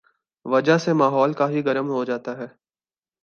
وجہ سے ماحول کافی گرم ہوجاتا ہے